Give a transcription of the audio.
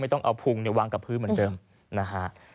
ต้องเอาพุงวางกับพื้นเหมือนเดิมนะฮะ